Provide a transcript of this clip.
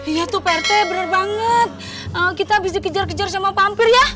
iya tuh prt bener banget kita bisa kejar kejar sama pampir ya